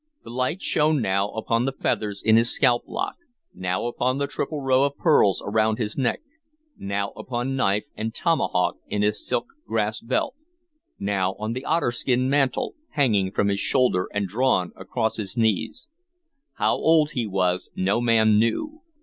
The light shone now upon the feathers in his scalp lock, now upon the triple row of pearls around his neck, now upon knife and tomahawk in his silk grass belt, now on the otterskin mantle hanging from his shoulder and drawn across his knees. How old he was no man knew.